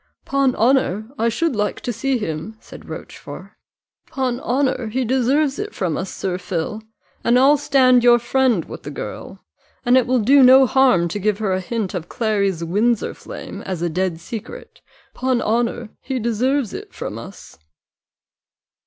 "'Pon honour, I should like to see him," said Rochfort: "'pon honour, he deserves it from us, Sir Phil, and I'll stand your friend with the girl, and it will do no harm to give her a hint of Clary's Windsor flame, as a dead secret 'pon honour, he deserves it from us."